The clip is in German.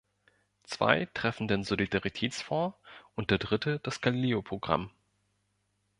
Zwei betreffen den Solidaritätsfonds und der dritte das Galileo-Programm.